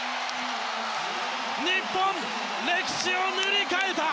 日本、歴史を塗り替えた！